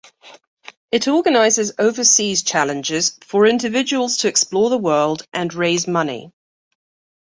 It organises Overseas Challenges for individuals to explore the world and raise money.